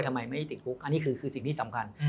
ทำไมไม่ได้ติดคุกอันนี้คือสิ่งที่สำคัญ